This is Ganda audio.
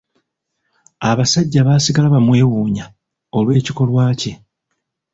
Abasajja baasigala bamwewuunya olw'ekikolwa kye.